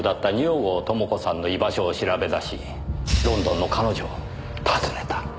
郷朋子さんの居場所を調べ出しロンドンの彼女を訪ねた。